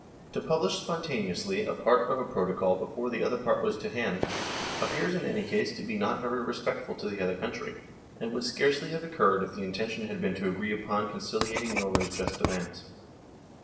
To publish spontane ously a part of a Protocol before the other part was to hand, appears in any case to be not very respectful to the other country, and would scarcely have occurred if the intention had been to agree upon conciliating Norway's just demands.